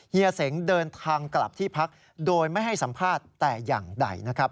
เฮีเสงเดินทางกลับที่พักโดยไม่ให้สัมภาษณ์แต่อย่างใดนะครับ